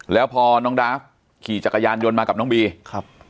แล้วพอน้องดาฟขี่จักรยานยนต์มากับน้องบีครับ